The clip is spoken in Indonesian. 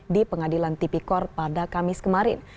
di pengadilan tipi kor pada kamis kemarin